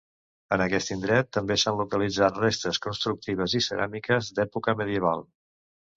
En aquest indret també s'han localitzat restes constructives i ceràmiques d'època medieval.